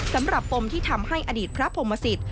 สำหรับปมที่ทำให้อดีตพระพมศิษย์